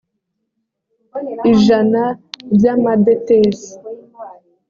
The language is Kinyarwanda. ijana by amadetesi